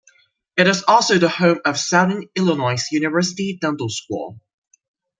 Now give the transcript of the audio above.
It is also the home of Southern Illinois University Dental School.